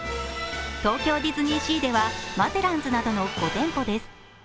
東京ディズニーシーではマゼランズなどの５店舗です。